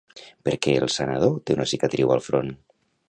Per què el sanador té una cicatriu al front?